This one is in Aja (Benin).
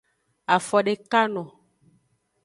Afodekano.